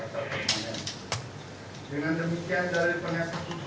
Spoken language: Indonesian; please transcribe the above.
ternyata mengenai mata saksi mempersebarin baswedan menyebabkan mata kiri tidak berfungsi